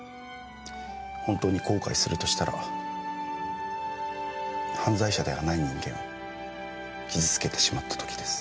本当に後悔するとしたら犯罪者ではない人間を傷つけてしまった時です。